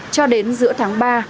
cho đến giữa tháng ba